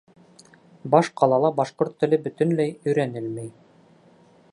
Баш ҡалала башҡорт теле бөтөнләй өйрәнелмәй.